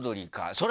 それ。